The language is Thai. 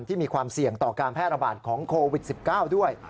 มีความเสี่ยงต่อการแพร่ระบาดของโควิด๑๙ด้วย